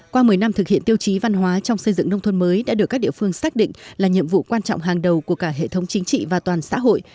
qua một mươi năm thực hiện tiêu chí văn hóa trong xây dựng nông thôn mới đã được các địa phương xác định là nhiệm vụ quan trọng hàng đầu của cả hệ thống chính trị và toàn xã hội